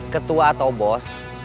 ketua atau bos